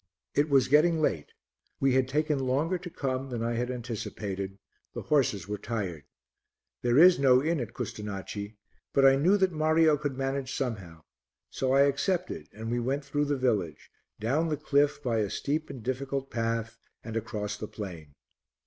It was getting late; we had taken longer to come than I had anticipated, the horses were tired. There is no inn at Custonaci, but I knew that Mario could manage somehow; so I accepted, and we went through the village, down the cliff by a steep and difficult path, and across the plain.